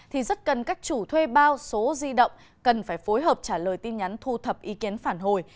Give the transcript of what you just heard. thì rất cần các chủ thuê bao số di động cần phải phối hợp trả lời tin nhắn thu thập ý kiến phản hồi